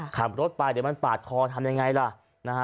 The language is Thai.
ขับรถไปเดี๋ยวมันปาดคอทำยังไงล่ะนะฮะ